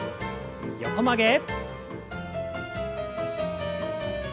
横曲げ。